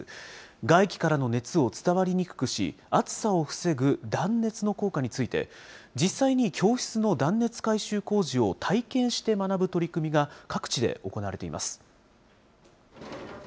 外気からの熱を伝わりにくくし、暑さを防ぐ断熱の効果について、実際に教室の断熱改修工事を体験して学ぶ取り組みが、各地で行われています。